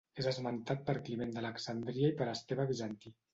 És esmentat per Climent d'Alexandria i per Esteve Bizantí.